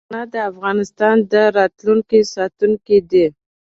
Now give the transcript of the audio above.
پښتانه د افغانستان د راتلونکي ساتونکي دي.